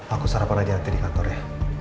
aku sarapan aja nanti di kantor ya